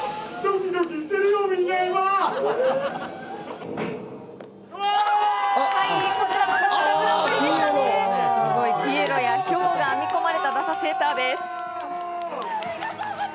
ピエロやヒョウが編み込まれたダサセーターです。